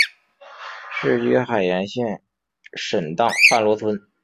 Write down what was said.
世居海盐县沈荡半逻村。